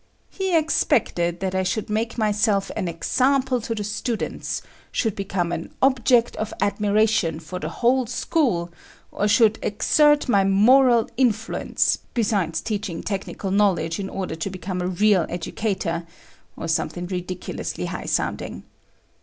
He expected that I should make myself an example to the students, should become an object of admiration for the whole school or should exert my moral influence, besides teaching technical knowledge in order to become a real educator, or something ridiculously high sounding.